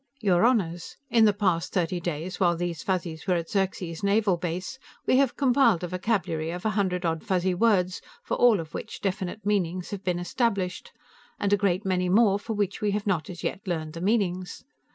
"Your Honors, in the past thirty days, while these Fuzzies were at Xerxes Naval Base, we have compiled a vocabulary of a hundred odd Fuzzy words, for all of which definite meanings have been established, and a great many more for which we have not as yet learned the meanings.